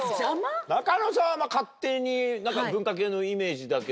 中野さんは勝手に文化系のイメージだけど。